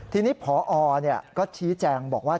ทีนี้พอก็ชี้แจงบอกว่า